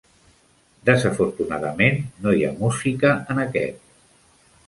Desafortunadament no hi ha música en aquest.